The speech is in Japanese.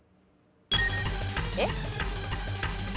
えっ⁉